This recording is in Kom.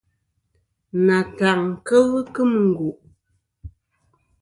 Nantaŋ kel kemɨ n.